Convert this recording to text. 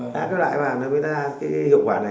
đã cái loại vào mới ra cái hiệu quả này